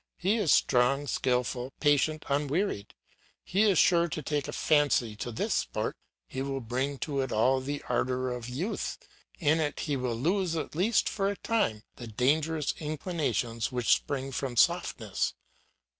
He is strong, skilful, patient, unwearied. He is sure to take a fancy to this sport; he will bring to it all the ardour of youth; in it he will lose, at least for a time, the dangerous inclinations which spring from softness.